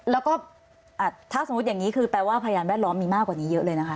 แล้วก็ถ้าสมมุติอย่างนี้คือแปลว่าพยานแวดล้อมมีมากกว่านี้เยอะเลยนะคะ